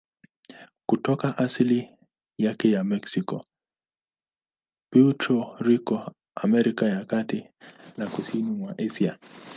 Kutoka asili yake ya Meksiko, Puerto Rico, Amerika ya Kati na kusini mwa Asia.